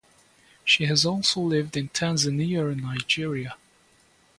She has also lived in Tanzania and Nigeria.